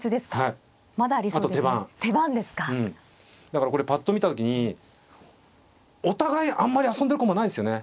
だからこれぱっと見た時にお互いあんまり遊んでる駒ないですよね。